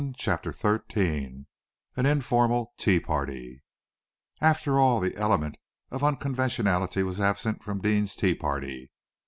CHAPTER XIII AN INFORMAL TEA PARTY After all, the element of unconventionality was absent from Deane's tea party.